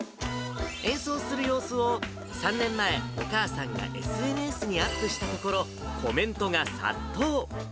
演奏する様子を３年前、お母さんがＳＮＳにアップしたところ、コメントが殺到。